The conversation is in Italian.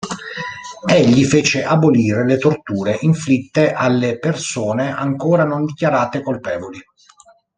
Egli fece abolire le torture inflitte alle persone ancora non dichiarate colpevoli.